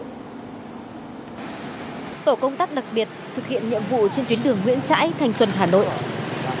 tổ công tác đặc biệt thực hiện nhiệm vụ trên tuyến đường nguyễn trãi thành xuân hà nội